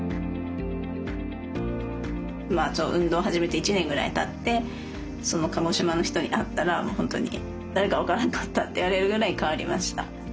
運動を始めて１年ぐらいたって鹿児島の人に会ったら本当に誰か分からなかったって言われるぐらい変わりました。